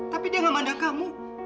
tapi dia gak mandang kamu